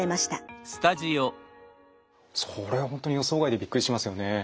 それはほんとに予想外でびっくりしますよね。